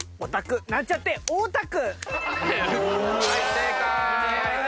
正解！